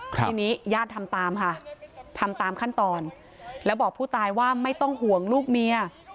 ทีนี้ญาติทำตามค่ะทำตามขั้นตอนแล้วบอกผู้ตายว่าไม่ต้องห่วงลูกเมีย